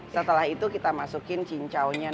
setelah itu kita masukin cincaunya